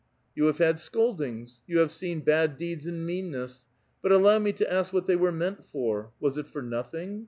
You have had scoldings, you have seen bad deeds and meanness; but allow me to ask what they were meant for? Was it for nothing?